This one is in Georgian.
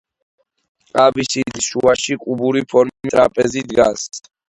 აბსიდის შუაში კუბური ფორმის ტრაპეზი დგას.